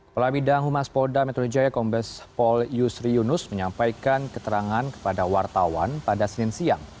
kepala bidang humas polda metro jaya kombes pol yusri yunus menyampaikan keterangan kepada wartawan pada senin siang